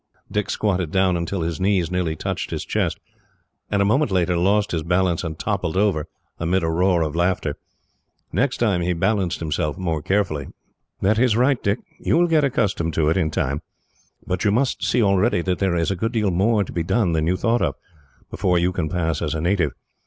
Dick squatted down until his knees nearly touched his chest, and a moment later lost his balance and toppled over, amid a roar of laughter. Next time, he balanced himself more carefully. "That is right, Dick. You will get accustomed to it, in time. But you must see, already, that there is a good deal more to be done than you thought of, before you can pass as a native.